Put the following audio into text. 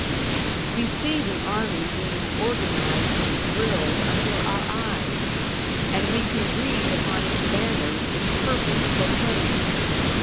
We see the army being organized and drilled under our eyes; and we can read upon its banners its purpose proclaimed.